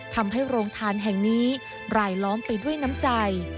ทำให้โรงทานแห่งนี้รายล้อมไปด้วยน้ำใจ